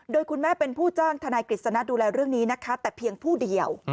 โดยคุณแม่เป็นผู้จ้างทนายกฤษณะดูแลเรื่องนี้นะคะแต่เพียงผู้เดียว